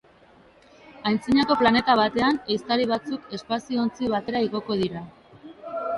Antzinako planeta batean, ehiztari batzuk espazio-ontzi batera igoko dira.